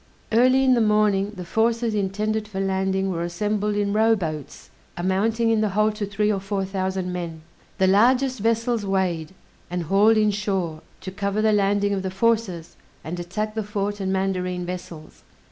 Early in the morning the forces intended for landing were assembled in rowboats, amounting in the whole to three or four thousand men. The largest vessels weighed, and hauled in shore, to cover the landing of the forces, and attack the fort and mandarine vessels.